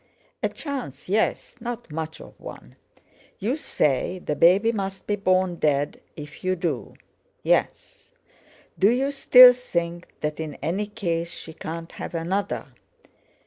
"A chance, yes; not much of one." "You say the baby must be born dead if you do?" "Yes." "Do you still think that in any case she can't have another?"